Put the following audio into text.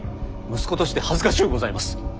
息子として恥ずかしゅうございます。